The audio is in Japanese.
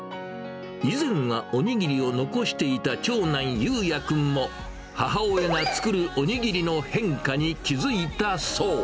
以前はおにぎりを残していた長男、ゆうや君も、母親が作るおにぎりの変化に気付いたそう。